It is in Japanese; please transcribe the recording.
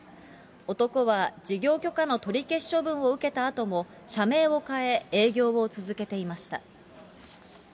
男は事業許可の取り消し処分を受けたあとも、社名を変え、営業を続けていました。